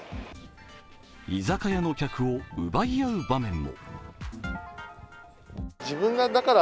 居酒屋の脚を奪い合う場面も。